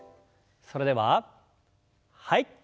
それでははい。